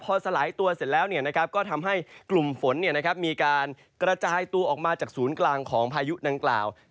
พอสลายตัวเสร็จแล้วเนี่ยนะครับก็ทำให้กลุ่มฝนเนี่ยนะครับมีการกระจายตัวออกมาจากศูนย์กลางของพายุดังกล่าว